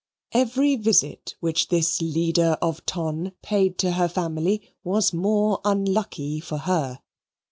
Every visit which this leader of ton paid to her family was more unlucky for her.